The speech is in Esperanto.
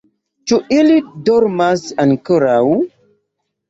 Ĉu ili dormas ankoraŭ?